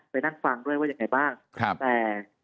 ไปนั่งฟังด้วยว่าอย่างไรบ้าง